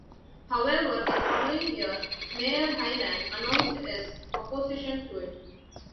However, the following year, Mayor Hylan announced his opposition to it.